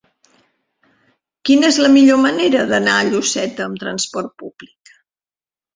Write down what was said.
Quina és la millor manera d'anar a Lloseta amb transport públic?